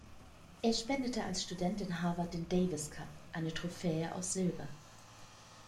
Er spendete als Student in Harvard den Davis Cup; eine Trophäe aus Silber.